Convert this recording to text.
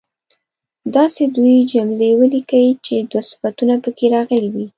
داسې دوې جملې ولیکئ چې دوه صفتونه په کې راغلي وي.